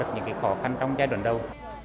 những khó khăn trong giai đoạn đầu